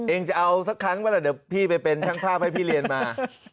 เองจะเอาสักครั้งปะล่ะเดี๋ยวพี่ไปเป็นช่างภาพให้พี่เรียนมา